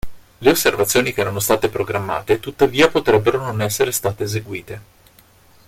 Le osservazioni che erano state programmate tuttavia potrebbero non essere state eseguite.